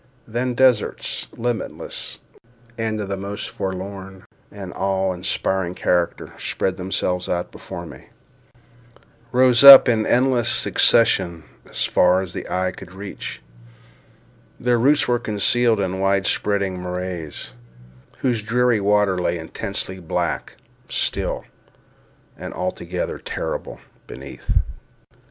Then deserts, limitless, and of the most forlorn and awe inspiring character, spread themselves out before me. Immensely tall trunks of trees, gray and leafless, rose up in endless succession as far as the eye could reach. Their roots were concealed in wide spreading morasses, whose dreary water lay intensely black, still, and altogether terrible, beneath.